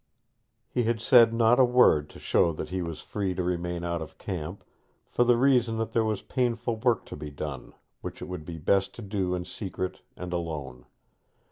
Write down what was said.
He had said not a word to show that he was free to remain out of camp, for the reason that there was painful work to be done, which it would be best to do in secret and alone.